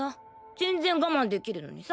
全然がまんできるのにさ！